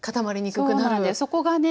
そこがね